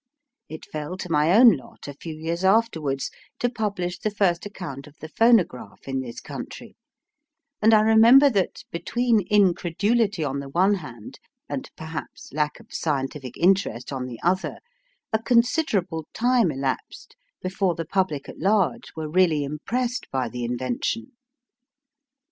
It fell to my own lot, a few years afterwards, to publish the first account of the phonograph in this country, and I remember that, between incredulity on the one hand, and perhaps lack of scientific interest on the other, a considerable time elapsed before the public at large were really impressed by the invention.